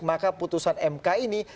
maka putusan mk ini